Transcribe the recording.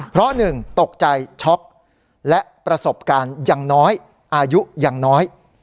เพราะหนึ่งตกใจช็อกและประสบการณ์ยังน้อยอายุยังน้อย